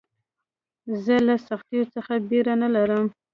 زه له سختیو څخه بېره نه لرم.